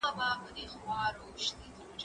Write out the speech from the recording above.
زه به اوبه پاکې کړې وي؟!